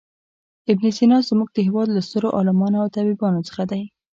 ابن سینا زموږ د هېواد له سترو عالمانو او طبیبانو څخه دی.